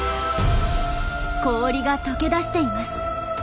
氷が解け出しています。